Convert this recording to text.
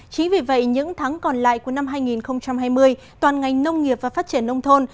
chính vì vậy những tháng còn lại của năm hai nghìn hai mươi toàn ngành nông nghiệp và phát triển nông thôn